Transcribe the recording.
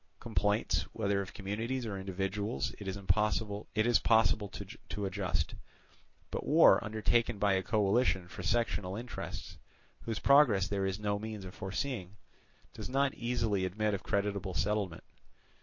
Complaints, whether of communities or individuals, it is possible to adjust; but war undertaken by a coalition for sectional interests, whose progress there is no means of foreseeing, does not easily admit of creditable settlement.